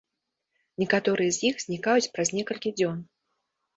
Некаторыя з іх знікаюць праз некалькі дзён.